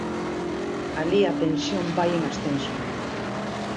Alí a tensión vai en ascenso.